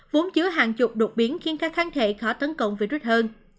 vốn chứa hàng chục đột biến khiến các kháng thể khó tấn công virus